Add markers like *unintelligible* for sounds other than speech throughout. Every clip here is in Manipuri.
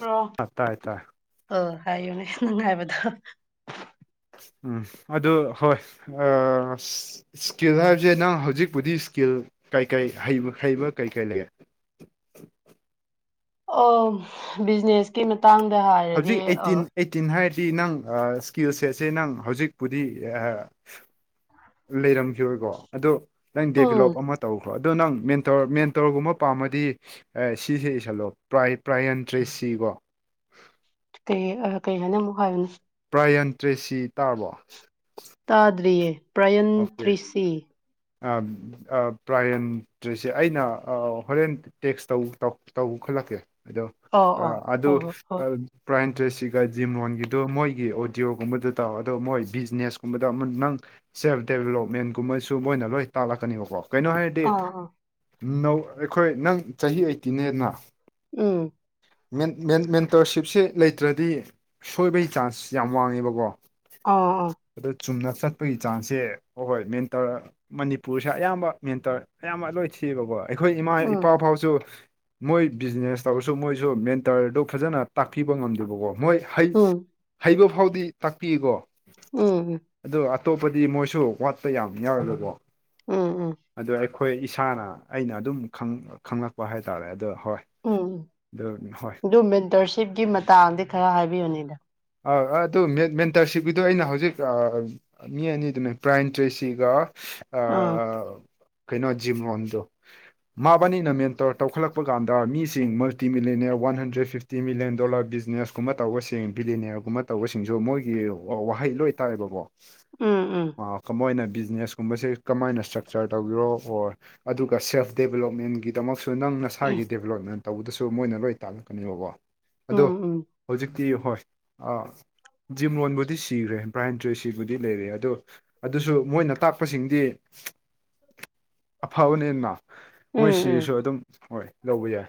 ꯭ꯔꯣ ꯑꯥ ꯇꯥꯏ ꯇꯥꯏ ꯑꯣ ꯍꯥꯏꯌꯨꯅꯦ ꯅꯨꯡꯉꯥꯏꯕꯗꯣ ꯎꯝ ꯑꯗꯨ ꯍꯣꯏ ꯑ ꯏꯁꯀꯤꯜ ꯍꯥꯏꯕꯁꯦ ꯅꯪ ꯍꯧꯖꯤꯛꯄꯨꯗꯤ ꯏꯁꯀꯤꯜ ꯀꯩꯀꯩꯩ ꯍꯩꯕ ꯀꯩ ꯀꯩ ꯂꯩ ꯑꯣ ꯕꯤꯖꯤꯅꯦꯁꯀꯤ ꯃꯇꯥꯡꯗ ꯍꯥꯏ ꯍꯧꯖꯤꯛ ꯑꯩꯠꯇꯤꯟ ꯑꯩꯠꯇꯤꯟ ꯍꯥꯏꯔꯗꯤ ꯅꯪ ꯏꯁꯀꯤꯜ ꯁꯦꯠꯁꯦ ꯅꯪ ꯍꯧꯖꯤꯛꯄꯨꯗꯤ ꯂꯩꯔꯝꯈꯤꯔꯣꯏꯀꯣ ꯑꯗꯣ ꯅꯪ ꯗꯦꯚꯤꯂꯞ ꯎꯝ ꯑꯃ ꯇꯧ ꯑꯗꯨ ꯅꯪ ꯃꯦꯟꯇꯣꯔ ꯃꯦꯟꯇꯣꯔ ꯒꯨꯝꯕ ꯄꯥꯝꯃꯗꯤ ꯑꯦ ꯁꯤꯁꯦ ꯏꯁꯜꯂꯣ ꯄ꯭ꯔꯥꯏ ꯄ꯭ꯔꯥꯏꯌꯦꯟꯇ꯭ꯔꯦꯁꯁꯤ ꯀꯣ ꯀꯩ ꯑ ꯀꯩ ꯍꯥꯏꯅ ꯑꯃꯨꯛ ꯍꯥꯏꯌꯨꯅꯦ ꯄ꯭ꯔꯥꯏꯌꯟ ꯇ꯭ꯔꯦꯁꯤ ꯇꯥꯔꯕꯣ ꯇꯥꯗ꯭ꯔꯤꯌꯦ ꯄ꯭ꯔꯥꯏꯌꯟꯇ꯭ꯔꯦꯁꯤ ꯑꯥ ꯄ꯭ꯔꯥꯏꯌꯟꯇ꯭ꯔꯦꯁꯤ ꯑꯩꯅ ꯑ ꯍꯣꯔꯦꯟ ꯇꯦꯛꯁ ꯇꯧ ꯇꯧꯈꯠꯂꯛꯀꯦ ꯑꯗꯣ ꯑꯣ ꯑꯣ ꯑꯗꯨ ꯍꯣꯏ ꯍꯣꯏ ꯍꯣꯏ ꯑꯝ ꯄ꯭ꯔꯥꯏꯌꯟꯇ꯭ꯔꯦꯁꯤꯒ ꯖꯤꯝꯔꯣꯟ ꯒꯤꯗꯨ ꯃꯣꯏꯒꯤ ꯑꯣꯗꯤꯌꯣ ꯒꯨꯝꯕꯗꯨ ꯇꯥꯎꯋꯣ ꯑꯗꯣ ꯃꯣꯏ ꯕꯤꯖꯤꯅꯦꯁꯀꯨꯝꯕꯗ ꯑꯃ ꯅꯪ ꯁꯦꯜꯐ ꯗꯦꯕꯤꯂꯞꯃꯦꯟ ꯒꯨꯝꯕꯁꯨ ꯃꯣꯏꯅ ꯂꯣꯏ ꯇꯥꯛꯂꯛꯀꯅꯦꯕꯀꯣ ꯀꯩꯅꯣ ꯍꯥꯏꯔꯗꯤ ꯑꯥ ꯑꯥ ꯅꯧ ꯑꯩꯈꯣꯏ ꯅꯪ ꯆꯍꯤ ꯑꯩꯇꯤꯟꯅꯦꯅ ꯎꯝ ꯃꯦꯟ ꯃꯦꯟ ꯃꯦꯟꯇꯔꯁꯤꯞꯁꯤ ꯂꯩꯇ꯭ꯔꯗꯤ ꯁꯣꯏꯕꯒꯤ ꯆꯥꯟꯁ ꯌꯥꯝ ꯋꯥꯡꯉꯦꯕꯀꯣ ꯑꯥ ꯑꯣ ꯑꯗꯨ ꯆꯨꯝꯅ ꯆꯠꯄꯒꯤ ꯆꯥꯟꯁꯁꯦ ꯍꯣꯏ ꯃꯦꯟ ꯇꯔ ꯃꯅꯤꯄꯨꯔꯁꯦ ꯑꯌꯥꯝꯕ ꯃꯦꯟꯇꯔ ꯑꯌꯥꯝꯕ ꯂꯣꯏꯁꯤ ꯊꯤꯕ ꯑꯩꯈꯣꯏ ꯏꯃꯥ ꯎꯝ ꯏꯄꯥ ꯐꯥꯎꯁꯨ ꯃꯣꯏ ꯕꯤꯖꯤꯅꯦꯁ ꯇꯧꯔꯁꯨ ꯃꯣꯏꯁꯨ ꯃꯦꯟꯇꯔꯗꯨ ꯐꯖꯅ ꯇꯥꯛꯄꯤꯕ ꯉꯝꯗꯕꯀꯣ ꯃꯣꯏ ꯍꯩ ꯎꯝ ꯍꯩꯕ ꯐꯥꯎꯗꯤ ꯇꯥꯛꯄꯤꯌꯦꯀꯣ ꯎꯝ ꯑꯗꯣ ꯑꯇꯣꯞꯄꯗꯤ ꯃꯣꯏꯁꯨ ꯋꯥꯠꯄ ꯌꯥꯝ ꯌꯥꯎꯋꯦꯕ ꯀꯣ ꯎꯝ ꯎꯝ ꯑꯗꯣ ꯑꯩꯈꯣꯏ ꯏꯁꯥꯅ ꯑꯩꯅ ꯑꯗꯨꯝ ꯈꯪꯂꯛꯄ ꯍꯥꯏꯇꯥꯔꯦ ꯑꯗꯣ ꯍꯣꯏ ꯎꯝ ꯎꯝ ꯑꯗꯨ ꯍꯣꯏ ꯑꯗꯨ ꯃꯦꯟꯇꯔꯁꯤꯞꯀꯤ ꯃꯇꯥꯡꯗ ꯈꯔ ꯍꯥꯏꯕꯤꯌꯨꯅꯦ ꯗꯥ ꯑ ꯑꯗꯨ ꯃꯦꯟꯇꯔꯁꯤꯞꯀꯤꯗꯣ ꯑꯩꯅ ꯍꯧꯖꯤꯛ ꯑꯥ ꯃꯤ ꯑꯅꯤꯗꯨꯅꯦ ꯄ꯭ꯔꯥꯏꯌꯟꯇ꯭ꯔꯦꯁꯤꯒ ꯑꯥ ꯀꯩꯅꯣ ꯖꯤꯝꯔꯣꯟꯗꯣ ꯃꯥꯕꯥꯅꯤꯅ ꯃꯦꯟꯇꯔ ꯇꯧꯈꯠꯂꯛꯄ ꯀꯥꯟꯗ ꯃꯤꯁꯤꯡ multimillionaire one hundred fifty million dollar ꯕꯤꯖꯤꯅꯦꯁꯀꯨꯝꯕ ꯇꯧꯕ ꯁꯤꯡ ꯕꯤꯂꯤꯅꯤꯌꯥꯔꯒꯨꯝꯕ ꯇꯧꯕꯁꯤꯡꯁꯨ ꯃꯣꯏꯒꯤ ꯋꯥꯍꯩ ꯂꯣꯏ ꯇꯥꯏꯕꯀꯣ ꯎꯝ ꯎꯝ ꯃꯣꯏꯅ ꯕꯤꯖꯤꯅꯦꯁ ꯀꯨꯝꯕꯁꯦ ꯀꯃꯥꯏꯅ ꯏꯁꯇ꯭ꯔꯛꯆꯔ ꯇꯧꯕꯤꯔꯣ ꯑꯣꯔ ꯑꯗꯨꯒ ꯁꯦꯜꯐ ꯗꯦꯕꯤꯂꯞꯃꯦꯟꯒꯤꯗꯃꯛ ꯅꯪ ꯎꯝ ꯅꯁꯥꯒꯤ ꯗꯦꯕꯤꯂꯞꯃꯦꯟ ꯇꯧꯕꯗꯁꯨ ꯃꯣꯏꯅ ꯂꯣꯏꯅ ꯇꯥꯛꯂꯛꯀꯅꯦꯕꯀꯣ ꯑꯗꯣ ꯎꯝ ꯍꯧꯖꯤꯛꯇꯤ ꯍꯣꯏ ꯑꯥ ꯖꯤꯝꯔꯣꯟ ꯕꯨꯗꯤ ꯁꯤꯈ꯭ꯔꯦ ꯄ꯭ꯔꯥꯏꯌꯟꯇ꯭ꯔꯦꯁꯤ ꯕꯨꯗꯤ ꯂꯩꯔꯤ ꯑꯗꯣ ꯑꯗꯨꯁꯨ ꯃꯣꯏꯅ ꯇꯥꯛꯄꯁꯤꯡꯗꯤ ꯑꯐꯕꯅꯤꯅ ꯃꯣꯏ ꯎꯝ ꯎꯝ ꯁꯤꯔꯁꯨ ꯑꯗꯨꯝ ꯍꯣꯏ ꯂꯧꯕ ꯌꯥꯏ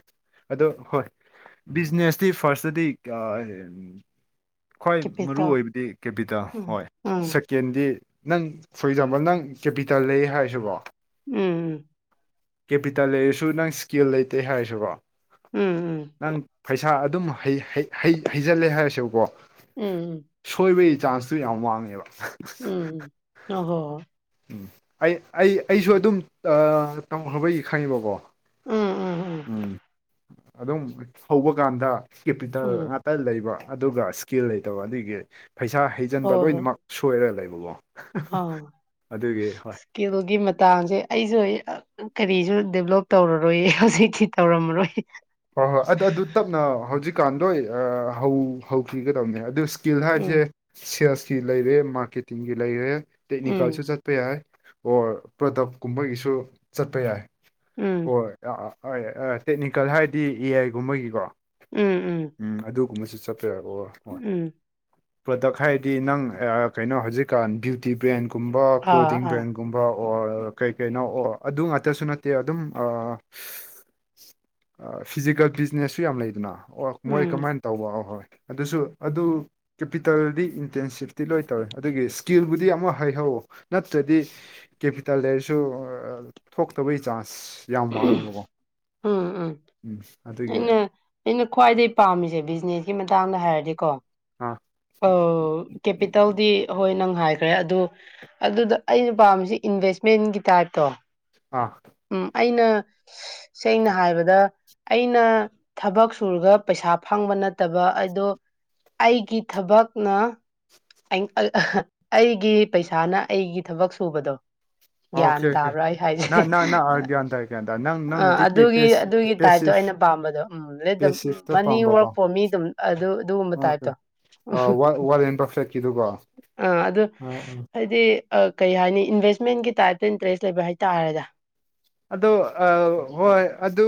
ꯑꯗꯣ ꯍꯣꯏ ꯕꯤꯖꯤꯅꯦꯁꯗꯤ ꯐꯥꯔꯁꯇꯗꯤ ꯑꯥ ꯑꯦꯝ ꯈ꯭ꯋꯥꯏ ꯃꯔꯨ ꯀꯦꯄꯤꯇꯣ ꯑꯣꯏꯕꯗꯤ ꯀꯦꯄꯤꯇꯥꯦꯜ ꯎꯝ ꯍꯣꯏ ꯎꯝ ꯁꯦꯛ ꯀꯦꯟꯗꯤ ꯅꯪ ꯐꯣꯔ ꯑꯦꯛꯖꯥꯝꯄꯜ ꯅꯪ ꯀꯦꯄꯤꯇꯜ ꯂꯩ ꯍꯥꯏꯔꯥꯁꯦꯀꯣ ꯎꯝ ꯀꯦꯄꯤꯇꯜ ꯂꯩꯔꯁꯨ ꯅꯥꯪ ꯁ꯭ꯀꯤꯜ ꯂꯩꯇꯦ ꯍꯥꯏꯔꯁꯨꯀꯣ ꯎꯝ ꯎꯝ ꯅꯪ ꯄꯩꯁꯥ ꯑꯗꯨꯝ ꯍꯩ-ꯍꯩ-ꯍꯩ ꯍꯩꯖꯜꯂꯦ ꯍꯥꯏꯔꯁꯦꯕꯀꯣ꯫ ꯎꯝ꯫ ꯁꯣꯏꯕꯩ ꯆꯥꯟꯁꯇꯨ ꯌꯥꯝ ꯋꯥꯡꯉꯦꯕ꯫ ꯎꯝ ꯍꯣ ꯍꯣ ꯍꯣ ꯑꯩ ꯑꯩ ꯑꯩꯁꯨ ꯑꯗꯨꯝ ꯑꯥ ꯇꯝꯈ꯭ꯔꯕꯒꯤ ꯈꯪꯉꯦꯕꯀꯣ ꯎꯝ ꯑꯗꯨꯝ ꯍꯧꯕ ꯀꯥꯟꯗ ꯎꯝ ꯀꯦꯄꯤꯇꯦꯜ ꯎꯝ ꯉꯒ ꯇ ꯂꯩꯕ ꯑꯗꯨꯒ ꯁ꯭ꯀꯤꯜ ꯂꯩꯇꯕ ꯑꯗꯨꯒꯤ ꯄꯩꯁꯥ ꯍꯩꯖꯟꯕ ꯍꯣꯏ ꯍꯣꯏ ꯂꯣꯏꯅꯃꯛ ꯁꯣꯏꯔ ꯂꯩꯕꯀꯣ ꯑꯗꯨꯒꯤ ꯍꯣꯏ ꯀꯦꯂꯣꯒꯤ ꯃꯇꯥꯡꯁꯦ ꯑꯩꯁꯨ ꯍꯩ ꯑ ꯀꯔꯤꯁꯨ ꯗꯦꯕꯂꯞ ꯇꯧꯔꯔꯣꯏꯌꯦ ꯍꯧꯖꯤꯛꯇꯤ ꯇꯧꯔꯝꯃꯔꯣꯏ ꯫ ꯍꯣꯏ ꯍꯣꯏ ꯑꯗꯨ ꯑꯗꯨ ꯇꯞꯅ ꯍꯧꯖꯤꯛꯀꯥꯟ ꯂꯣꯏ ꯑꯥ ꯍꯧ ꯍꯧꯈꯤꯒꯗꯕꯅꯦ ꯑꯗꯨ ꯁ꯭ꯀꯤꯜ ꯎꯝ ꯍꯥꯏꯕꯁꯦ ꯁꯦꯜꯁꯀꯤ ꯂꯩꯔꯦ ꯃꯥꯔꯀꯦꯇꯤꯡꯒꯤ ꯂꯩꯔꯦ ꯎꯝ ꯇꯦꯛꯅꯤꯀꯜꯁꯨ ꯆꯠ ꯆꯠꯄ ꯌꯥꯏ ꯑꯣꯔ ꯄ꯭ꯔꯗꯛ ꯀꯨꯝꯕꯒꯤꯁꯨ ꯆꯠꯄ ꯌꯥꯏ ꯎꯝ ꯑꯣꯔ ꯑ ꯑ ꯑꯥꯏ ꯑꯥ ꯇꯦꯛꯅꯤꯀꯦꯜ ꯍꯥꯏꯗꯤ ꯑꯦ ꯑꯥꯏ ꯒꯨꯝꯕꯒꯤꯀꯣ ꯫ ꯎꯝ ꯎꯝ ꯎꯝ ꯑꯗꯨꯒꯨꯝꯕꯁꯨ ꯆꯠꯄꯤꯔꯛꯑꯣ ꯫ ꯎꯝ ꯄ꯭ꯔꯗꯛ ꯍꯥꯏꯔꯗꯤ ꯅꯪ ꯑꯥ ꯀꯩꯅꯣ ꯍꯧꯖꯤꯛꯀꯥꯟ ꯕ꯭ꯌꯨꯇꯤ ꯕ꯭ꯔꯥꯟꯒꯨꯝꯕ ꯑꯥ ꯄ꯭ꯔ‌ꯣꯇꯤꯟ ꯑꯥ ꯕ꯭ꯔꯥꯟ ꯒꯨꯝꯕ ꯑꯣꯔ ꯀꯩ ꯀꯩꯅꯣ ꯑꯣ ꯑꯗꯨ ꯉꯥꯛꯇꯁꯨ ꯅꯠꯇꯦ ꯑꯗꯨꯝ ꯑꯥ ꯑꯥ ꯐꯤꯖꯤꯀꯦꯜ ꯕꯤꯖꯅꯦꯁꯁꯨ ꯌꯥꯝ ꯂꯩꯗꯅ ꯑꯣ ꯃꯣꯏ ꯎꯝ ꯀꯃꯥꯏꯅ ꯇꯧꯕ ꯍꯣꯏ ꯍꯣꯏ ꯑꯗꯨꯁꯨ ꯑꯗꯨ ꯀ‌ꯦꯄꯤꯇ‌ꯦꯜꯗꯤ ꯏꯟꯇꯦꯟꯁꯤꯐꯇꯤ ꯂꯣꯏ ꯇꯧꯋꯦ ꯑꯗꯨꯒꯤ ꯁ꯭ꯀꯤꯜꯕꯨꯗꯤ ꯑꯃ ꯍꯩꯍꯧ ꯅꯠꯇ꯭ꯔꯗꯤ ꯀꯦꯄꯤꯇꯦꯜ ꯂꯩꯔꯁꯨ ꯑ ꯊꯣꯛꯇꯕꯩ ꯆꯥꯟꯁ ꯌꯥꯝ ꯋꯥꯡꯉꯦꯕꯀꯣ ꯫ ꯎꯝ ꯎꯝ ꯑꯩꯅ ꯑꯩꯅ ꯈ꯭ꯋꯥꯏꯗꯩ ꯄꯥꯝꯃꯤꯁꯦ ꯕꯤꯖꯤꯅꯦꯁꯀꯤ ꯃꯇꯥꯡꯗ ꯍꯥꯏꯔꯗꯤꯀꯣ ꯑꯥ ꯑꯥ ꯀꯦꯄꯤ ꯇꯧꯗꯤ ꯍꯣꯏ ꯅꯪ ꯍꯥꯏꯈ꯭ꯔꯦ ꯑꯗꯨ ꯑꯗꯨꯗ ꯑꯩꯅ ꯄꯥꯝꯃꯤꯁꯦ ꯏꯟꯚꯦꯁꯃꯦꯟꯒꯤ ꯇꯥꯏꯞꯇꯣ ꯑꯥ ꯎꯝ ꯑꯩꯅ ꯁꯦꯡꯅ ꯍꯥꯏꯕꯗ ꯑꯩꯅ ꯊꯕꯛ ꯁꯨꯔꯒ ꯄꯩꯁꯥ ꯐꯪꯕ ꯅꯠꯇꯕ ꯑꯗꯣ ꯑꯩꯒꯤ ꯊꯕꯛꯅ ꯑꯩꯒꯤ ꯄꯩꯁꯥꯅ ꯑꯩꯒꯤ ꯊꯕꯛ ꯁꯨꯕꯗꯣ ꯫ ꯒ꯭ꯌꯥꯟ ꯑꯣꯀꯦ ꯑꯣꯀꯦ ꯇꯥꯕ꯭ꯔꯥ ꯑꯩ ꯍꯥꯏꯖꯦ ꯅꯪ ꯅꯪ ꯅꯪ ꯒ꯭ꯌꯥꯟ ꯇꯥꯏ ꯒ꯭ꯌꯥꯟ ꯇꯥꯏ ꯅꯪ ꯑꯥ ꯅꯪꯅꯗꯤ ꯑꯗꯨꯒꯤ ꯑꯗꯨꯒꯤ ꯇꯥꯏꯞꯇꯣ ꯄꯦꯁꯤꯐ ꯑꯩꯅ ꯄꯥꯝꯕꯗꯣ ꯎꯝ ꯂꯦꯠ ꯗ ꯄꯦꯁꯤꯐꯇ ꯃꯅꯤ ꯄꯥꯝꯕꯀꯣ ꯋꯥꯔꯛ ꯐꯣꯔ ꯃꯤ ꯗꯨꯝ ꯑꯗꯨ ꯑꯗꯨꯒꯨꯝꯕ ꯇꯥꯏꯞꯇꯣ ꯫ ꯑꯥ ꯋꯥ ꯋꯥꯔꯦꯟ ꯕꯐꯦꯠꯀꯤꯗꯨꯀꯣ ꯫ ꯑ ꯑꯗꯨ ꯑꯩꯗꯤ ꯑꯥ ꯀꯩ ꯍꯥꯏꯅꯤ ꯏꯟꯚꯦꯁꯃꯦꯟꯒꯤ ꯇꯥꯏꯞꯇ ꯏꯟꯇꯔꯦꯁ ꯂꯩꯕ ꯍꯥꯏꯇꯥꯔꯦꯗ ꯫ ꯑꯗꯣ ꯑꯥ ꯍꯣꯏ ꯑꯗꯨ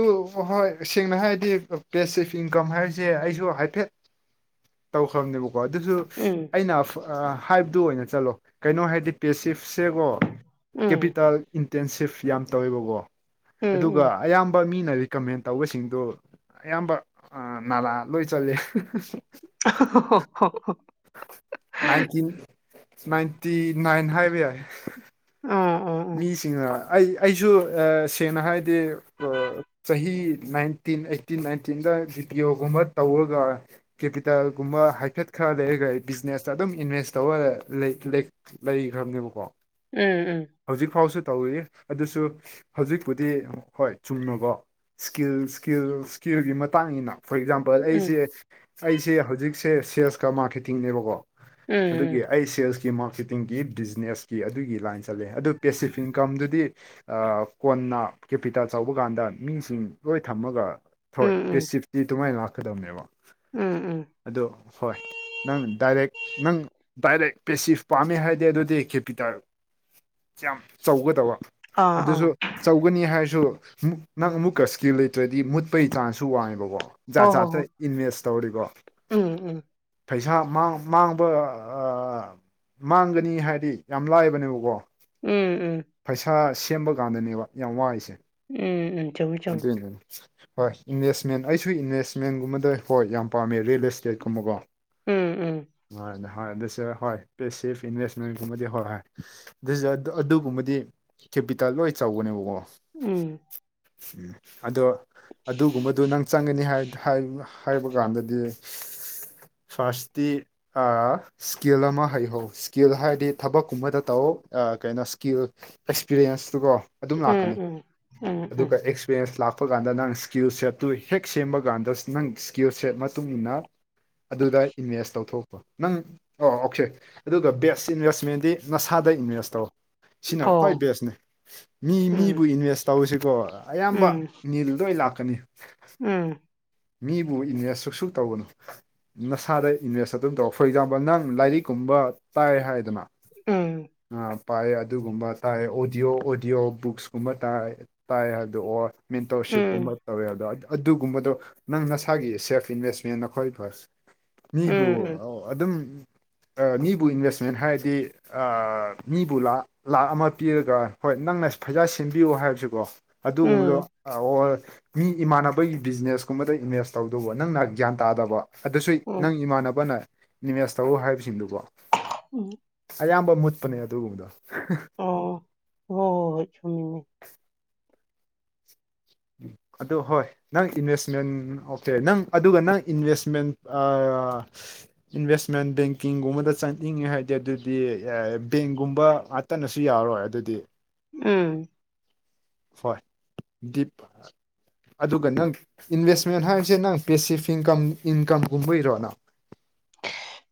ꯍꯣꯏ ꯁꯦꯡꯅ ꯍꯥꯏꯔꯗꯤ ꯄꯦꯁꯤꯚ ꯏꯟꯀꯝ ꯍꯥꯏꯔꯤꯁꯦ ꯑꯩꯁꯨ ꯍꯥꯏꯐꯦꯠ ꯇꯧꯈ꯭ꯔꯝꯅꯦꯕꯀꯣ ꯑꯗꯨꯁꯨ ꯎꯝ ꯑꯩꯅ ꯑꯥ ꯍꯥꯏꯕꯗꯨ ꯑꯣꯏꯅ ꯆꯠꯂꯣ ꯀꯩꯅꯣ ꯍꯥꯏꯗꯤ ꯄꯦꯁꯤꯐꯁꯦꯀꯣ ꯎꯝ ꯀꯦꯄꯤꯇꯦꯜ ꯏꯟꯇꯦꯟꯁꯤꯐ ꯌꯥꯝ ꯇꯧꯋꯦꯕꯀꯣ ꯎꯝ ꯑꯗꯨꯒ ꯎꯝ ꯑꯌꯥꯝꯕ ꯃꯤꯅ ꯀꯃꯦꯟ ꯇꯧꯕꯁꯤꯡꯗꯨ ꯑꯌꯥꯝꯕ ꯑꯥ ꯅꯥꯂꯥ ꯂꯣꯏ ꯆꯠꯂꯦ ꯫ *unintelligible* ꯅꯥꯏꯟꯇꯤꯟ ꯅꯥꯏꯟꯇꯤ ꯅꯥꯏꯟ ꯍꯥꯏꯕ ꯌꯥꯏ ꯫ ꯎꯝ ꯎꯝ ꯎꯝ ꯃꯤꯁꯤꯡꯅ ꯑꯩ ꯑꯩꯁꯨ ꯑꯥ ꯁꯦꯡꯅ ꯍꯥꯏꯗꯤ ꯑꯥ ꯆꯍꯤ ꯅꯥꯏꯟꯇꯤꯟ ꯑꯩꯠꯇꯤꯟ ꯅꯥꯏꯟꯇꯤꯟꯗ‌ꯕꯤ ꯄꯤ ꯑꯣ ꯒꯨꯝꯕ ꯇꯧꯔꯒ ꯀꯦꯄꯤꯇꯦꯜꯒꯨꯝꯕ ꯍꯥꯏꯐꯦꯠ ꯈꯔ ꯂꯩꯔꯒ ꯕꯤꯖꯤꯅꯦꯁꯇ ꯑꯗꯨꯝ ꯏꯟꯚꯦꯁ ꯇꯧꯔ ꯂꯩ ꯂꯩ ꯂꯩꯈ꯭ꯔꯝꯅꯦꯕꯀꯣ ꯫ ꯎꯝ ꯎꯝ ꯍꯧꯖꯤꯛ ꯐꯥꯎꯁꯨ ꯇꯧꯔꯤ ꯑꯗꯨꯁꯨ ꯍꯧꯖꯤꯛꯄꯨꯗꯤ ꯍꯣꯏ ꯆꯨꯝꯅꯕꯣ ꯏꯁꯀꯤꯜ ꯏꯁꯀꯤꯜ ꯏꯁꯀꯤꯜꯒꯤ ꯃꯇꯥꯡꯅꯤꯅ ꯐꯣꯔ ꯑꯦꯛꯖꯥꯝꯄꯜ ꯎꯝ ꯑꯩꯁꯦ ꯑꯩꯁꯦ ꯍꯧꯖꯤꯛꯁꯦ ꯁꯦꯜꯁꯀ ꯃꯥꯔꯀꯦꯇꯤꯡꯅꯦꯕꯀꯣ ꯫ ꯎꯝ ꯑꯗꯨꯒꯤ ꯑꯩ ꯁꯦꯜꯁꯀꯤ ꯃꯥꯔꯀꯦꯇꯤꯡꯒꯤ ꯕꯤꯖꯤꯅꯦꯁꯀꯤ ꯑꯗꯨꯒꯤ ꯂꯥꯏꯟ ꯆꯠꯂꯦ ꯫ ꯑꯗꯨ ꯄꯦꯁꯤꯐ ꯏꯟꯀꯝꯗꯨꯗꯤ ꯑꯥꯑ ꯀꯣꯟꯅ ꯀꯦꯄꯤꯇꯦꯜ ꯆꯥꯎꯕ ꯀꯥꯟꯗ ꯃꯤꯁꯤꯡ ꯂꯣꯏ ꯊꯝꯃꯒ ꯍꯣꯏ ꯄꯦꯁꯤꯐꯇꯤ ꯑꯗꯨꯃꯥꯏꯅ ꯂꯥꯛꯀꯗꯕꯅꯦꯕ ꯎꯪ ꯎꯪ ꯑꯗꯨ ꯍꯣꯏ ꯅꯪꯅ ꯗꯥꯏꯔꯦꯛ ꯅꯪ ꯗꯥꯏꯔꯦꯛ ꯄꯦꯁꯤꯐ ꯄꯥꯝꯃꯦ ꯍꯥꯏꯗꯤ ꯑꯗꯨꯗꯤ ꯀꯦꯄꯤꯇꯦꯜ ꯌꯥꯝ ꯆꯩꯒꯗꯕ ꯑꯥ ꯑꯥ ꯑꯗꯨꯖꯨ ꯆꯧꯒꯅꯤ ꯍꯥꯏꯔꯁꯨ ꯅꯪ ꯑꯃꯨꯛꯀ ꯁꯀꯤꯜ ꯂꯩꯇ꯭ꯔꯗꯤ ꯃꯨꯠꯄꯒꯤ ꯆꯥꯟꯖꯁꯨ ꯋꯥꯡꯉꯦꯕꯀꯣ ꯍꯣ ꯖꯥꯠ ꯍꯣ ꯖꯥꯠꯇ ꯍꯣꯏ ꯏꯟꯚꯦꯁ ꯇꯧꯔꯤꯀꯣ ꯎꯝ ꯎꯝ ꯄꯩꯁꯥ ꯃꯥꯡ ꯃꯥꯡꯕ ꯑꯥꯑ ꯃꯥꯡꯒꯅꯤ ꯍꯥꯏꯗꯤ ꯌꯥꯝ ꯂꯥꯏꯕꯅꯦꯕꯀꯣ ꯎꯪꯎꯪ ꯄꯩꯁꯥ ꯁꯦꯝꯕ ꯀꯥꯟꯗꯅꯦꯕ ꯌꯥꯝ ꯋꯥꯏꯁꯦ ꯎꯝ ꯎꯝ ꯆꯨꯝꯃꯤ ꯆꯨꯝꯃꯤ ꯑꯗꯨꯏꯅꯤ ꯍꯣꯏ ꯏꯟꯚꯦꯁꯃꯦꯟ ꯑꯩꯁꯨ ꯏꯟꯚꯦꯁꯃꯦꯟꯒꯨꯝꯕꯗ ꯍꯣꯏ ꯌꯥꯝ ꯄꯥꯝꯃꯦ ꯔꯤꯌꯦꯜ ꯏꯁꯇꯦꯠꯀꯨꯝꯕꯀꯣ ꯎꯝ ꯎꯝ ꯍꯣꯏ ꯍꯣꯏ ꯑꯗꯨꯁꯨ ꯍꯣꯏ ꯄꯦꯁꯤꯐ ꯏꯟꯚꯦꯁꯃꯦꯟꯒꯨꯝꯕꯗꯤ ꯍꯣꯏ ꯗꯦꯖꯥꯔꯠꯇꯣ ꯑꯗꯨꯒꯨꯝꯕꯗꯤ ꯀꯦꯄꯤꯇꯥꯜ ꯂꯣꯏ ꯆꯥꯎꯕꯅꯦꯕꯀꯣ ꯎꯪ ꯑꯗꯣ ꯑꯗꯨꯒꯨꯝꯕꯗꯨ ꯅꯪ ꯆꯪꯒꯅꯤ ꯍꯥꯏ ꯍꯥꯏꯃ ꯍꯥꯏꯕ ꯀꯥꯟꯗꯗꯤ ꯐꯥꯔꯠꯁꯇꯤ ꯑꯥꯑ ꯏꯁꯀꯤꯜ ꯑꯃ ꯍꯩꯍꯧ ꯏꯁꯀꯤꯜ ꯍꯥꯏꯗꯤ ꯊꯕꯛꯀꯨꯝꯕꯗ ꯇꯧ ꯑꯥꯑ ꯀꯩꯅꯣ ꯁ꯭ꯀꯤꯜ ꯑꯦꯛꯁꯄ꯭ꯔꯤꯌꯦꯟꯁꯇꯨꯕꯣ ꯑꯗꯨꯝ ꯎꯝ ꯂꯥꯛꯀꯅꯤ ꯎꯝ ꯎꯝ ꯎꯝ ꯑꯗꯨꯒ ꯑꯦꯛꯁ ꯄ꯭ꯔꯦꯟꯁ ꯂꯥꯛꯄ ꯀꯥꯟꯗ ꯅꯪ ꯏꯁꯀꯤꯜ ꯁꯦꯠꯇꯨ ꯍꯦꯛ ꯁꯦꯝꯕ ꯀꯥꯟꯗ ꯅꯪ ꯏꯁꯀꯤꯜ ꯁꯦꯠ ꯃꯇꯨꯡ ꯏꯟꯅ ꯑꯗꯨꯗ ꯏꯟꯚꯦꯁ ꯇꯧꯊꯣꯛꯄ ꯅꯪ ꯑꯣ ꯑꯣꯀꯦ ꯑꯗꯨꯒ ꯕꯦꯁ ꯏꯟꯚꯦꯁꯃꯦꯟꯗꯤ ꯅꯁꯥꯗ ꯏꯟꯚꯦꯁ ꯇꯧ ꯁꯤꯅ ꯑꯣ ꯈ꯭ꯋꯥꯏ ꯕꯦꯁꯅꯦ ꯃꯤ ꯎꯝ ꯃꯤꯕꯨ ꯏꯟꯚꯦꯁ ꯇꯧꯔꯤꯁꯤꯀꯣ ꯑꯌꯥꯝꯕ ꯅꯤꯜꯗ ꯑꯣꯏ ꯂꯥꯛꯀꯅꯤ INAUDIBLE ꯃꯤꯕꯨ ꯏꯟꯚꯦꯁ ꯁꯨꯛꯁꯨ ꯇꯧꯒꯅꯨ ꯅꯁꯥꯗ ꯏꯟꯚꯦꯁ ꯑꯗꯨꯝ ꯇꯧ ꯐꯣꯔ ꯑꯦꯛꯖꯥꯝꯄꯜ ꯅꯪ ꯂꯥꯏꯔꯤꯛ ꯀꯨꯝꯕ ꯇꯥꯏ ꯍꯥꯏꯗꯅ ꯎꯪ ꯑꯥ ꯄꯥꯏꯑꯦ ꯑꯗꯨꯒꯨꯝꯕ ꯇꯥꯏ ꯑꯣꯗꯤꯑꯣ ꯑꯣꯗꯤꯑꯣ ꯕꯨꯛꯁꯀꯨꯝꯕ ꯇꯥꯏ ꯇꯥꯏ ꯑꯗꯨ ꯑꯣꯔ ꯎꯝ ꯃꯦꯟꯇꯔꯁꯤꯞꯀꯨꯝꯕ ꯇꯧꯋꯦ ꯑꯗꯣ ꯑꯗꯨꯒꯨꯝꯕꯗꯣ ꯅꯪ ꯅꯁꯥꯒꯤ ꯁꯦꯐ ꯏꯟꯚꯦꯁꯃꯦꯟ ꯅꯈꯣꯏ ꯐꯥꯔꯁ ꯃꯤꯕꯨ ꯎꯝ ꯑꯧ ꯑꯗꯨꯝ ꯑꯥ ꯃꯤꯕꯨ ꯏꯟꯚꯦꯁꯃꯦꯟ ꯍꯥꯏꯔꯗꯤ ꯑꯥꯑ ꯃꯤꯕꯨ ꯂꯥꯛꯈ ꯂꯥꯛꯈ ꯑꯃ ꯄꯤꯔꯒ ꯍꯣꯏ ꯅꯪꯅ ꯐꯩꯖꯥ ꯁꯦꯝꯕꯤꯌꯨ ꯍꯥꯏꯕꯁꯤꯀꯣ ꯑꯗꯨꯒꯨꯝꯕꯗꯣ ꯎꯝ ꯑꯣꯔ ꯃꯤ ꯏꯃꯥꯟꯅꯕꯒꯤ ꯕꯤꯖꯤꯅꯦꯁ ꯀꯨꯝꯕꯗ ꯏꯃꯦꯖ ꯇꯧꯗꯨꯕꯨ ꯅꯪꯅ ꯒ꯭ꯌꯥꯟ ꯇꯥꯗꯕ ꯑꯗꯨꯁꯨ ꯎꯝ ꯅꯪ ꯏꯃꯥꯟꯅꯕꯅ ꯅꯤꯃꯦꯖ ꯇꯧꯔꯣ ꯍꯥꯏꯕꯁꯤꯡꯗꯨꯕꯣ ꯎꯪ ꯑꯌꯥꯝꯕ ꯃꯨꯠꯄꯅꯦ ꯑꯗꯨꯒꯨꯝꯕꯗꯣ ꯑꯣ ꯍꯣꯏ ꯍꯣꯏ ꯆꯨꯨꯝꯃꯤꯅꯦ ꯑꯗꯨ ꯍꯣꯏ ꯅꯪ ꯏꯟꯚꯦꯁꯃꯦꯟ ꯑꯣꯀꯦ ꯅꯪ ꯑꯗꯨꯒ ꯅꯪ ꯏꯟꯚꯦꯁꯃꯦꯟ ꯑꯥꯑ ꯏꯟꯚꯦꯁꯃꯦꯟ ꯕꯦꯡꯀꯤꯡꯒꯨꯝꯕꯗ ꯆꯠꯅꯤꯡꯉꯦ ꯍꯥꯏꯗꯤ ꯑꯗꯨꯗꯤ ꯑꯥꯑ ꯕꯦꯡꯒꯨꯝꯕ ꯑꯗ ꯇꯅꯁꯨ ꯌꯥꯎꯔꯣꯏ ꯑꯗꯨꯗꯤ ꯎꯝ ꯍꯣꯏ ꯗꯤꯞ__ ꯑꯗꯨꯒ ꯅꯪ ꯏꯟꯚꯦꯁꯃꯦꯟ ꯍꯥꯏꯔꯤꯁꯦ ꯅꯪ ꯄꯦꯁꯤꯐ ꯏꯟꯀꯝ ꯏꯟꯀꯝ ꯒꯨꯝꯕꯩꯔꯣ ꯅꯪ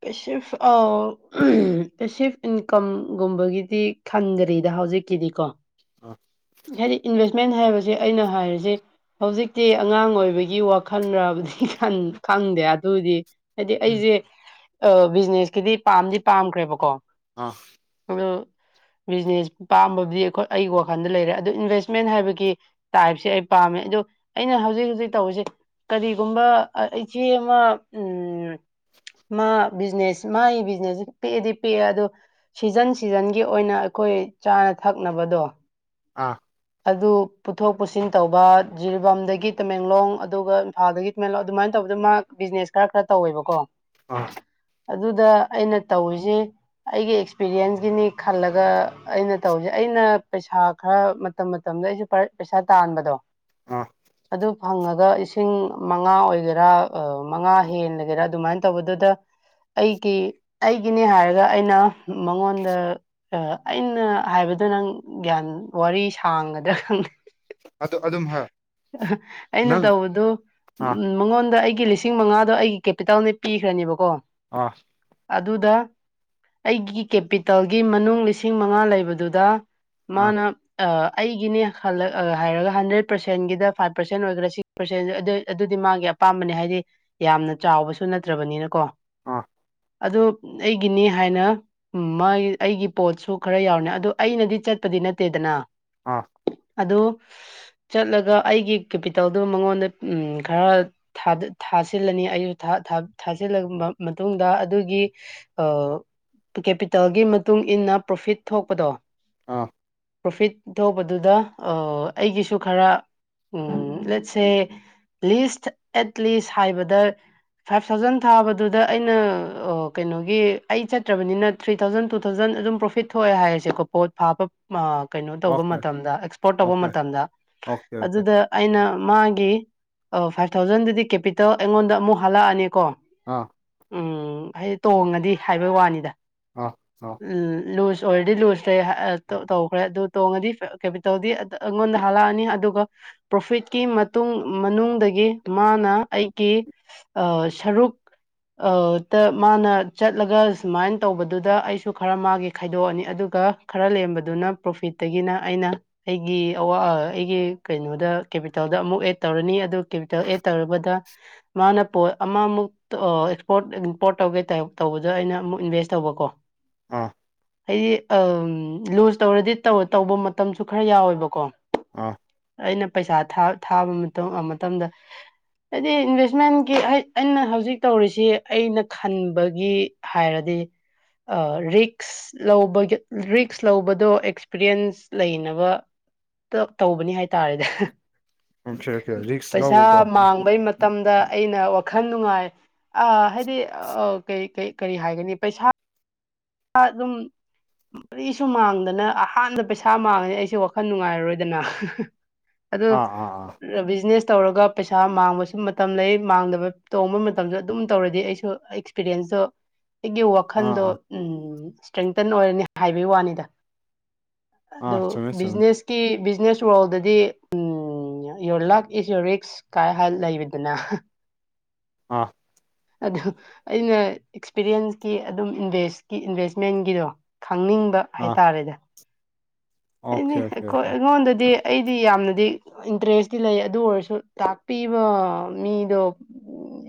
ꯄꯦꯁꯤꯐ ꯑꯥꯎ ꯄꯦꯁꯤꯐ ꯏꯟꯀꯝꯒꯨꯝꯕꯒꯤꯗꯤ__ ꯐꯪꯗꯔꯤꯗ ꯍꯧꯖꯤꯛꯀꯤꯗꯤꯀꯣ ꯑ ꯍꯥꯏꯗꯤ ꯏꯟꯚꯦꯁꯃꯦꯟ ꯍꯥꯏꯕꯁꯦ ꯑꯩꯅ ꯍꯥꯏꯔꯖꯦ__ ꯍꯧꯖꯤꯛꯇꯤ ꯑꯉꯥꯡ ꯑꯣꯏꯕꯒꯤ ꯋꯥꯈꯜꯔꯕꯨꯗꯤ ꯈꯪꯗꯦ ꯑꯗꯨꯗꯤ__ ꯍꯥꯏꯗꯤ ꯎꯝ ꯑꯩꯖꯦ ꯕꯤꯖꯤꯅꯦꯁꯀꯤꯗꯤ ꯄꯥꯝꯗꯤ ꯄꯥꯝꯈ꯭ꯔꯦꯕꯀꯣ__ ꯑꯥ ꯑꯗꯣ ꯕꯤꯖꯤꯅꯦꯁ ꯄꯥꯝꯕꯗꯤ ꯑꯩꯈꯣ ꯑꯩꯒꯤ ꯋꯥꯈꯜꯗ__ ꯂꯩꯔꯦ ꯑꯗꯨ ꯏꯟꯚꯦꯁꯃꯦꯟ ꯍꯥꯏꯕꯒꯤ ꯇꯥꯏꯞꯁꯦ ꯑꯩ ꯄꯥꯝꯃꯦ ꯑꯗꯣ ꯑꯩꯅ ꯍꯧꯖꯤꯛ ꯍꯧꯖꯤꯛ ꯇꯧꯔꯤꯁꯦ__ ꯀꯔꯤꯒꯨꯝꯕ ꯏꯆꯦ ꯑꯃ ꯎꯝ ꯃꯥ ꯕꯤꯖꯤꯅꯦꯁ ꯃꯥꯏ ꯕꯤꯖꯤꯅꯦꯁꯁꯤ ꯄꯤꯛꯑꯗꯤ ꯄꯤꯑꯦ ꯑꯗꯣ ꯁꯤꯖꯟ ꯁꯤꯖꯟꯒꯤ ꯑꯣꯏꯅ ꯑꯩꯈꯣꯏ ꯆꯥꯅ ꯊꯛꯅꯕꯗꯣ__ ꯑꯥ ꯑꯗꯨ ꯄꯨꯊꯣꯛ ꯄꯨꯁꯤꯟ ꯇꯧꯕ ꯖꯤꯔꯤꯕꯥꯝꯗꯒꯤ ꯇꯃꯦꯡꯂꯣꯡ ꯑꯗꯨꯒ ꯏꯝꯐꯥꯜꯗꯒꯤ ꯇꯃꯦꯡꯂꯣꯡ ꯑꯗꯨꯃꯥꯏꯅ ꯇꯧꯕꯗ ꯃꯥ__ ꯕꯤꯖꯤꯅꯦꯁ ꯈꯔꯥ ꯈꯔꯥ ꯔ ꯇꯧꯋꯦꯕꯀꯣ ꯑꯥ ꯑꯗꯨꯗ ꯑꯩꯅ ꯇꯧꯔꯤꯖꯤ__ ꯑꯩꯒꯤ ꯑꯦꯛꯁꯄꯤꯔꯤꯌꯦꯟꯁꯒꯤꯅꯤ ꯈꯜꯂꯒ ꯑꯩꯅ ꯇꯧꯖ ꯑꯩꯅ ꯄꯩꯁꯥ ꯈꯔ__ ꯃꯇꯝ ꯃꯇꯝꯗ ꯑꯩꯁꯨ ꯄꯩꯁꯥ ꯇꯥꯟꯕꯗꯣ ꯑꯥ ꯑꯗꯨ__ ꯍꯪꯉꯒ ꯏꯁꯤꯡ ꯃꯉꯥ ꯑꯣꯏꯒꯦꯔꯥ ꯃꯉꯥ ꯍꯦꯜꯂꯒꯦꯔꯥ ꯑꯗꯨꯃꯥꯏꯅ ꯇꯧꯕꯗꯨꯗ__ ꯑꯩꯒꯤ ꯑꯩꯒꯤꯅꯤ ꯍꯥꯏꯔꯒ ꯑꯩꯅ ꯃꯉꯣꯟꯗ__ ꯑ ꯑꯩꯅ ꯍꯥꯏꯕꯗꯣ ꯅꯪ ꯒ꯭ꯌꯥꯟ ꯋꯥꯔꯤ ꯁꯥꯡꯒꯗ꯭ꯔꯥ ꯈꯪꯗꯦ ꯑꯗꯨ ꯑꯗꯨꯝ ꯍꯥꯏ ꯑꯩꯅ ꯅꯪ ꯇꯧꯕꯗꯨ ꯑꯥ ꯃꯉꯣꯟꯗ ꯑꯩꯒꯤ ꯂꯤꯁꯤꯡ__ ꯂꯤꯁꯤꯡ ꯃꯉꯥꯗꯣ ꯑꯩꯒꯤ ꯀꯦꯄꯤꯇꯥꯜꯅꯦ ꯄꯤꯈ꯭ꯔꯅꯤꯕꯀꯣ ꯑꯥ ꯑꯗꯨꯗ ꯑꯩꯒꯤ ꯀꯦꯄꯤꯇꯦꯜꯒꯤ ꯃꯅꯨꯡ ꯂꯤꯁꯤꯡ ꯃꯉꯥ ꯂꯩꯕꯗꯨꯗ__ ꯑꯥ ꯃꯥꯅ ꯑꯥ ꯑꯩꯒꯤꯅꯦꯈꯜꯂ ꯍꯥꯏꯔꯒ ꯍꯟꯗ꯭ꯔꯦꯠ ꯄꯔꯁꯦꯟꯒꯤꯗ ꯐꯥꯏꯚ ꯄꯔꯁꯦꯟ ꯑꯣꯏꯒꯦꯔꯥ ꯁꯤꯛꯁ ꯄꯔꯁꯦꯟ ꯑꯗꯨ ꯑꯗꯨꯗꯤ ꯃꯥꯒꯤ__ ꯑꯄꯥꯝꯕꯅꯦ ꯍꯥꯏꯗꯤ ꯌꯥꯝꯅ ꯆꯥꯎꯕꯁꯨ ꯅꯠꯇ꯭ꯔꯕꯅꯤꯅꯀꯣ ꯑꯥ ꯑꯗꯨ ꯑꯩꯒꯤꯅꯤ ꯍꯥꯏꯅ__ ꯎꯝ ꯃꯥꯒꯤ ꯑꯩꯒꯤ ꯄꯣꯠꯁꯨ ꯈꯔ ꯌꯥꯎꯔꯅꯦ ꯑꯗꯣ ꯑꯩꯅꯗꯤ ꯆꯠꯄꯗꯤ ꯅꯠꯇꯦꯗꯅ ꯑꯥ ꯑꯗꯨ ꯆꯠꯂꯒ ꯑꯩꯒꯤ ꯀꯦꯄꯤꯇꯦꯜꯗꯨ ꯃꯉꯣꯟꯗ ꯎꯝ ꯈꯔ__ ꯊꯥꯗ-ꯊꯥꯁꯤꯜꯂꯅꯤ ꯑꯩꯁꯨ ꯊꯥ-ꯊꯥ-ꯊꯥꯖꯤꯜꯂ ꯃꯇꯨꯡꯗ ꯑꯗꯨꯒꯤ__ ꯑꯥ ꯀꯦꯄꯤꯇꯥꯦꯜꯒꯤ ꯃꯇꯨꯡ ꯏꯟꯅ ꯄ꯭ꯔꯣꯐꯤꯠ ꯊꯣꯛꯄꯗꯣ__ ꯑꯥ ꯄ꯭ꯔꯣꯐꯤꯠ__ ꯇꯧꯕꯗꯨꯗ ꯑꯩꯒꯤꯁꯨ ꯈꯔ ꯎ ꯂꯠꯁꯦ__ ꯂꯤꯁ ꯑꯦꯠ ꯂꯤꯁ ꯍꯥꯏꯕꯗ__ ꯐꯥꯏꯚ ꯊꯥꯎꯖꯟ ꯊꯥꯕꯗꯨꯗ ꯑꯩꯅ ꯀꯩꯅꯣꯒꯤ ꯑꯩ ꯆꯠꯇ꯭ꯔꯕꯅꯤꯅ__ ꯊ꯭ꯔꯤ ꯊꯥꯎꯖꯟ ꯇꯨ ꯊꯥꯎꯖꯟ ꯑꯗꯨꯝ ꯄ꯭ꯔꯣꯐꯤꯠ ꯊꯣꯛꯑꯦ ꯍꯥꯏꯔꯁꯦꯀꯣ ꯄꯣꯠ ꯊꯥꯕ ꯑ ꯀꯩꯅꯣ ꯇꯧꯕ ꯑꯣꯀꯦ ꯃꯇꯝꯗ ꯑꯦꯛꯁꯄꯣꯔꯠ ꯇꯧꯕ ꯑꯣꯀꯦ ꯃꯇꯝꯗ ꯑꯣꯀꯦ ꯑꯣꯀꯦ ꯑꯗꯨꯗ ꯑꯩꯅ ꯃꯥꯒꯤ ꯑꯥ ꯐꯥꯏꯚ ꯊꯥꯎꯖꯟꯗꯨꯗꯤ ꯀꯦꯄꯤꯇꯦꯜ ꯑꯩꯉꯣꯟꯗ ꯑꯃꯨꯛ ꯍꯥꯜꯂꯛꯑꯅꯤꯀꯣ ꯑꯥ꯫ ꯎꯝ ꯑꯩ ꯇꯣꯡꯉꯗꯤ ꯍꯥꯏꯕꯩ ꯋꯥꯅꯤꯗ ꯑꯥ ꯑꯥ ꯎꯝ ꯂꯨꯁ ꯑꯣꯏꯔꯗꯤ ꯂꯨꯖ ꯂꯩ ꯍꯥ ꯑꯥ ꯇ ꯇꯧꯒꯔꯦ ꯑꯗꯨ ꯇꯣꯡꯉꯗꯤ ꯀꯦꯄꯤꯇꯜꯗꯤ ꯑꯩꯉꯣꯟꯗ ꯍꯥꯜꯂꯛꯑꯅꯤ ꯑꯗꯨꯒ ꯄ꯭ꯔꯣꯐꯤꯠꯀꯤ ꯃꯇꯨꯡ ꯃꯅꯨꯡꯗꯒꯤ ꯃꯥꯅ ꯑꯩꯒꯤ ꯑꯣ ꯁꯔꯨꯛ ꯑꯥ ꯇ ꯃꯥꯅ ꯆꯠꯂꯒ ꯁꯨꯃꯥꯏꯟ ꯇꯧꯕꯗꯨꯗ ꯑꯩꯁꯨ ꯈꯔ ꯃꯥꯒꯤ ꯈꯥꯏꯗꯣꯛꯑꯅꯤ ꯑꯗꯨꯒ ꯈꯔ ꯂꯦꯝꯕꯗꯨꯅ ꯄ꯭ꯔꯣꯐꯤꯠꯇꯒꯤꯅ ꯑꯩꯅ ꯑꯩꯒꯤ ꯑꯋꯥ ꯑꯩꯒꯤ ꯀꯩꯅꯣꯗ ꯀꯦꯄꯤꯇꯦꯜꯗ ꯑꯃꯨꯛ ꯑꯦꯗ ꯇꯧꯔꯅꯤ ꯑꯗꯨ ꯀꯦꯄꯤꯇꯦꯜ ꯑꯦꯠ ꯇꯧꯔꯕꯗ ꯃꯥꯅ ꯄꯣꯠ ꯑꯃꯃꯨꯛ ꯑꯦꯛꯁꯄꯣꯔꯠ ꯏꯝꯄꯣꯔꯠ ꯇꯧꯒꯦ ꯇꯧꯕꯗꯣ ꯑꯩꯅ ꯑꯃꯨꯛ ꯏꯟꯚꯦꯁ ꯇꯧꯕꯀꯣ ꯑꯥ ꯑꯩ ꯑꯝ ꯂꯨꯁ ꯇꯧꯔꯗꯤ ꯇꯧ ꯇꯧꯕ ꯃꯇꯝꯁꯨ ꯈꯔ ꯌꯥꯎꯋꯦꯕꯀꯣ ꯑꯥ ꯑꯩꯅ ꯄꯩꯁꯥ ꯊꯥ ꯊꯥꯕ ꯃꯇꯝ ꯑꯥ ꯃꯇꯝꯗ ꯍꯥꯏꯗꯤ ꯏꯟꯚꯦꯁꯃꯦꯟꯒꯤ ꯑꯩꯅ ꯍꯧꯖꯤꯛ ꯇꯧꯔꯤꯁꯤ ꯑꯩꯅ ꯈꯟꯕꯒꯤ ꯍꯥꯏꯔꯗꯤ ꯑꯥ ꯔꯤꯛꯁ ꯂꯧꯕꯒꯤ ꯔꯤꯛꯁ ꯂꯧꯕꯗꯣ ꯑꯦꯁꯛ ꯄꯤꯔꯤꯌꯦꯟꯁ ꯂꯩꯅꯕꯇ ꯇꯧꯕꯅꯤ ꯍꯥꯏꯇꯥꯔꯦꯗ ꯑꯣꯀꯦ ꯑꯣꯀꯦ ꯔꯤꯛꯁ ꯄꯩꯁꯥ ꯂꯧꯕꯀꯣ ꯃꯥꯡꯕꯩ ꯃꯥ ꯃꯇꯝꯗ ꯑꯩꯅ ꯋꯥꯈꯜ ꯅꯨꯡꯉꯥꯏ ꯑꯥ ꯍꯥꯏꯗꯤ ꯑꯥ ꯀꯩ ꯀꯩ ꯀꯔꯤ ꯍꯥꯏꯒꯅꯤ ꯄꯩꯁꯥ ꯑꯗꯨꯝ ꯀꯔꯤꯁꯨ ꯃꯥꯡꯗꯅ ꯑꯍꯥꯟꯕ ꯄꯩꯁꯥ ꯃꯥꯡꯉꯦ ꯑꯩꯁꯨ ꯋꯥꯈꯟ ꯅꯨꯡꯉꯥꯏꯔꯣꯏꯗꯅ ꯑꯗꯣ ꯑꯥ ꯑꯥ ꯑꯥ ꯕꯤꯖꯤꯅꯦꯁ ꯇꯧꯔꯒ ꯄꯩꯁꯥ ꯃꯥꯡꯕꯁꯨ ꯃꯇꯝ ꯂꯩ ꯃꯥꯡꯗꯕ ꯇꯣꯡꯕ ꯃꯇꯝꯁꯨ ꯑꯗꯨꯝ ꯇꯧꯔꯗꯤ ꯑꯩꯁꯨ ꯑꯦꯛꯁꯄꯤꯔꯤꯌꯦꯟꯁꯇꯣ ꯑꯩꯒꯤ ꯑꯥ ꯋꯥꯈꯟꯗꯣ ꯑꯥ ꯎꯝ ꯁꯇ꯭ꯔꯦꯡꯇꯟ ꯑꯣꯏꯔꯅꯤ ꯍꯥꯏꯕꯩ ꯋꯥꯅꯤꯗ ꯑꯗꯣ ꯑꯥ ꯆꯨꯝꯃꯦ ꯆꯨꯝꯃꯦ ꯕꯤꯖꯤꯅꯦꯁꯀꯤ ꯕꯤꯖꯤꯅꯦꯁ ꯋꯥꯔꯜꯗꯗꯤ um um your luck is your ꯔꯤꯛꯁ ꯀꯥꯏ ꯍꯥꯏꯕ ꯂꯩꯔꯤꯗꯅ ꯑꯥ ꯑꯗ ꯑꯩꯅ ꯑꯦꯛꯁꯄꯤꯔꯤꯌꯦꯟꯁꯀꯤ ꯑꯗꯨꯝ ꯏꯟꯚꯦꯁꯀꯤ ꯏꯟꯚꯦꯁꯃꯦꯟꯒꯤꯗꯣ ꯈꯪꯅꯤꯡꯕ ꯑꯥ ꯍꯥꯏꯇꯥꯔꯦꯅꯦ ꯑꯣꯀꯦ ꯍꯥꯏꯅꯤ ꯑꯣꯀꯦ ꯑꯩꯈꯣꯏ ꯑꯣꯀꯦ ꯑꯩꯉꯣꯟꯗꯗꯤ ꯑꯩꯗꯤ ꯌꯥꯝꯅꯗꯤ ꯏꯟꯇꯔꯦꯁꯇꯤ ꯂꯩ ꯑꯗꯨ ꯑꯣꯏꯔꯁꯨ ꯇꯥꯛꯄꯤꯕ ꯃꯤꯗꯣ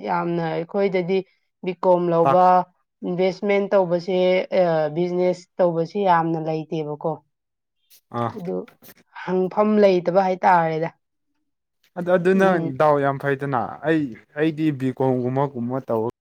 ꯌꯥꯝꯅ ꯑꯩꯈꯣꯏꯗꯗꯤ ꯕꯤ ꯀꯣꯝ ꯇꯥꯛ ꯂꯧꯕ ꯏꯟꯚꯦꯁꯃꯦꯟ ꯇꯧꯕꯁꯦ ꯕꯤꯖꯤꯅꯦꯁ ꯇꯧꯕꯁꯦ ꯌꯥꯝꯅ ꯂꯩꯇꯦꯕꯀꯣ ꯑꯥ ꯑꯗꯨ ꯍꯪꯐꯝ ꯂꯩꯇꯕ ꯍꯥꯏꯇꯥꯔꯦꯗ ꯑꯗꯣ ꯑꯗꯨꯅ ꯎꯝ ꯗꯥꯎ ꯌꯥꯝ ꯐꯩꯗꯅ ꯑꯩ ꯑꯩꯗꯤ ꯕꯤ ꯀꯣꯝꯒꯨꯝꯕꯒꯨꯝꯕ ꯇꯧ